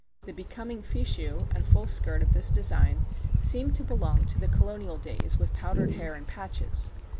The becoming fichu and full skirt of this design seem to belong to the Colonial days with powdered hair and patches.